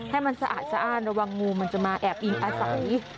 ให้มันสะอาดสะอ้านระวังงูมันจะมาแอบอิงอาศัย